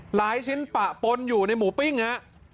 หลายชิ้นปะปนอยู่ในหมูปิ้งฮะ